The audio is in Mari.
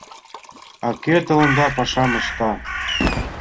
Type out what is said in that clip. — А кӧ тыланда пашам ышта?